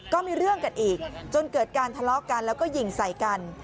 ก็มีเรื่องกันอีกจนเกิดการทะเลาะกันแล้วก็ยิงใส่กัน